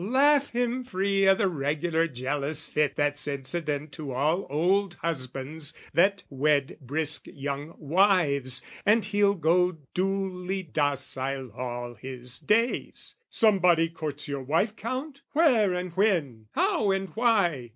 Laugh him free O' the regular jealous fit that's incident To all old husbands that wed brisk young wives, And he'll go duly docile all his days. "Somebody courts your wife, Count? Where and when? "How and why?